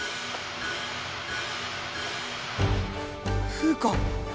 フウカ！